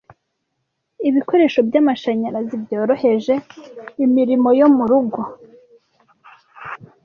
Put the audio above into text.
Ibikoresho byamashanyarazi byoroheje imirimo yo murugo.